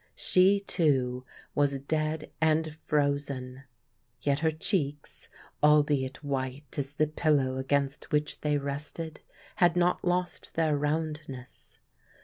She, too, was dead and frozen; yet her cheeks, albeit white as the pillow against which they rested, had not lost their roundness.